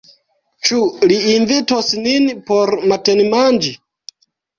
Ĉu li invitos nin por matenmanĝi?